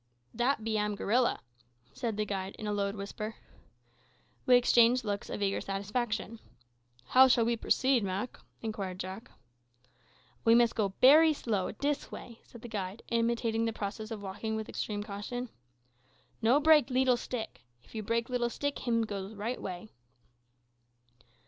"Dat am be gorilla," said the guide, in a low whisper. We exchanged looks of eager satisfaction. "How shall we proceed, Mak?" inquired Jack. "We mus' go bery slow, dis way," said the guide, imitating the process of walking with extreme caution. "No break leetle stick. If you break leetle stick hims go right away."